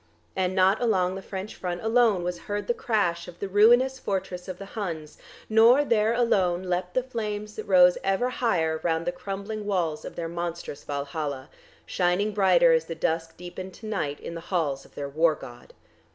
And not along the French front alone was heard the crash of the ruinous fortress of the Huns, nor there alone leaped the flames that rose ever higher round the crumbling walls of their monstrous Valhalla, shining brighter as the dusk deepened to night in the halls of their War God.